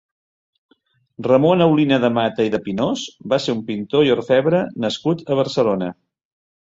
Ramon Aulina de Mata i de Pinós va ser un pintor i orfebre nascut a Barcelona.